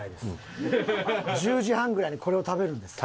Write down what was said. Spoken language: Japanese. １０時半ぐらいにこれを食べるんです。